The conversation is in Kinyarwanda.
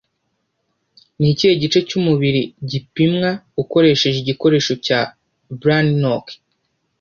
Nikihe gice cyumubiri gipimwa ukoresheje igikoresho cya Brannock